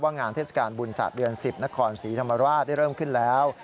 งานเทศกาลบุญศาสตร์เดือน๑๐นครศรีธรรมราชได้เริ่มขึ้นแล้ว